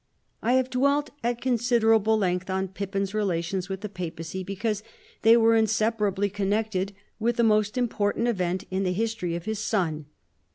I have dwelt at considerable length on Pippin's relations with the papacy, because they are insepa rably connected with the most important event in the history of his son.